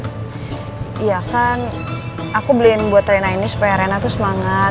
iya kan aku beliin buat rena ini supaya arena tuh semangat